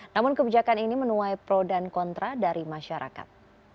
namun kebijakan ini menuai pro dan kontra dari masyarakat